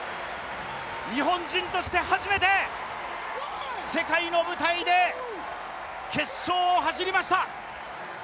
日本人として初めて世界の舞台で決勝を走りました。